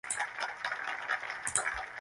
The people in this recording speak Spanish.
El centro de esta zona circular es la fóvea.